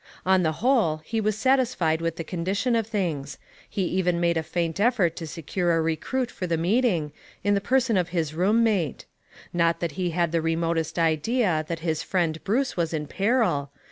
On the whole, he was satisfied with the condition of things. He even made a faint effort to secure a recruit for the meeting, in the person of his room mate. Not that he had the remotest idea that his friend Bruce was in peril.